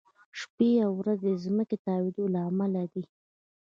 شپې او ورځې د ځمکې د تاوېدو له امله دي.